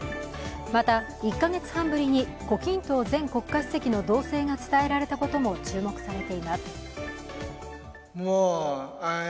また、１か月半ぶりに胡錦涛前国家主席の動静が伝えられたことも注目されています。